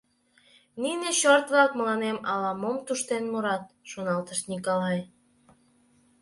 «Нине чёрт-влак мыланем ала-мом туштен мурат, — шоналтыш Николай.